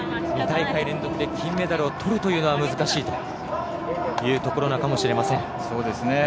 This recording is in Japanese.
２大会連続で金メダルをとるというのは難しいというところなのかもしれません。